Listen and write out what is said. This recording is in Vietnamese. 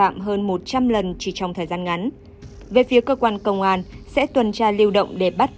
một chủ xe một trăm một mươi một lần vi phạm giao thông